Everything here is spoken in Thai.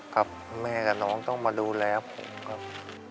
ครับแม่กับน้องต้องมาดูแลผมครับ